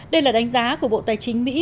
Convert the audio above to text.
đây là đánh giá của bộ tài chính mỹ